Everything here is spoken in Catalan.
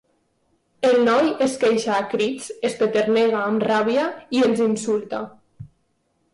El noi es queixa a crits, espeternega amb ràbia i els insulta.